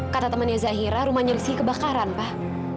kata temannya zahira rumahnya rizky kebakaran pak